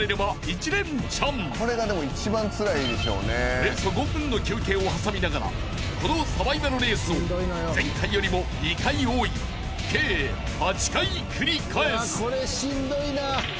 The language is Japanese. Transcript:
［およそ５分の休憩を挟みながらこのサバイバルレースを前回よりも２回多い計８回繰り返す］